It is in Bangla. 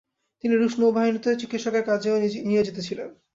তিনি রুশ নৌবাহিনীতে চিকিৎসকের কাজেও নিয়োজিত ছিলেন।